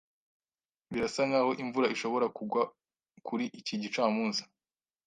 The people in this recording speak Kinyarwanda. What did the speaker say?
Birasa nkaho imvura ishobora kugwa kuri iki gicamunsi.